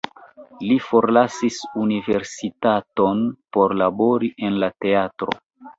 Li forlasis universitaton por labori en la teatro.